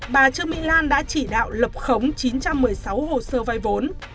bà trương mỹ lan đã chỉ đạo lập khống chín trăm một mươi sáu hồ sơ vay vốn